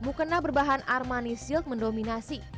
mukena berbahan armani silk mendominasi